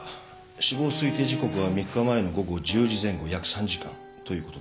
死亡推定時刻は３日前の午後１０時前後約３時間ということです。